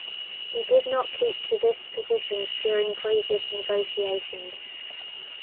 He did not keep to this positions during previous negotiations.